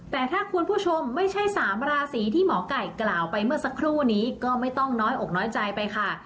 แต่ถ้าคุณผู้ชมไม่ใช่๓ราศีที่หมอไก่กล่าวไปเมื่อสักครู่นี้ก็ไม่ต้องน้อยอกน้อยใจไปค่ะ